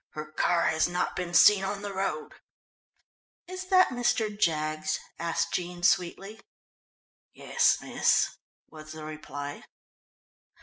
"Her car has not been seen on the road." "Is that Mr. Jaggs?" asked Jean sweetly. "Yes, miss," was the reply.